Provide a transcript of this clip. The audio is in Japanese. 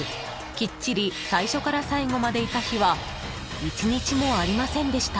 きっちり最初から最後までいた日は１日もありませんでした］